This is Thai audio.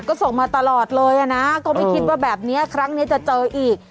ก็ส่งมาตลอดเลยนะก็ไม่คิดว่าแบบนี้ครั้งนี้จะเจออีก